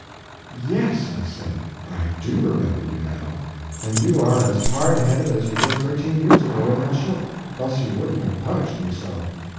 "Yes," I said, "I do remember you now; and you are as hard headed as you were thirteen years ago in that ship, else you wouldn't have punished me so.